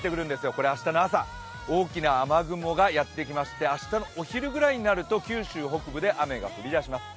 これ明日の朝、大きな雨雲がやってきまして明日のお昼くらいになると九州北部で雨が降りだします。